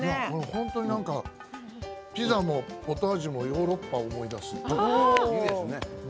本当になんかピザもポタージュもヨーロッパ思い出す。